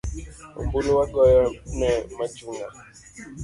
Ombulu wagoyo ne machunga